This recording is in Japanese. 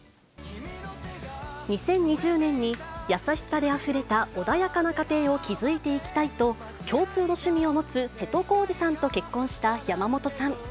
２０２０年に、優しさであふれた穏やかな家庭を築いていきたいと、共通の趣味を持つ瀬戸康史さんと結婚した山本さん。